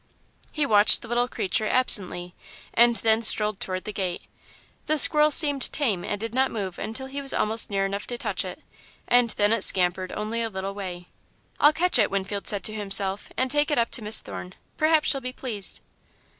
He watched the little creature, absently, and then strolled toward the gate. The squirrel seemed tame and did not move until he was almost near enough to touch it, and then it scampered only a little way. "I'll catch it," Winfield said to himself, "and take it up to Miss Thorne. Perhaps she'll be pleased."